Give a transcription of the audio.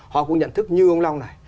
họ cũng nhận thức như ông long này